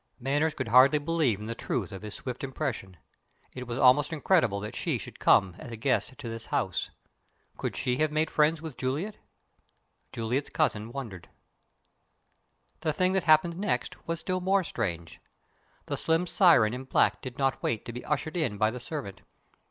Manners could hardly believe in the truth of his swift impression. It was almost incredible that she should come as a guest to this house. Could she have made friends with Juliet? Juliet's cousin wondered. The thing that happened next was still more strange. The slim siren in black did not wait to be ushered in by the servant.